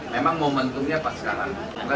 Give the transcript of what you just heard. memang momentumnya pas sekarang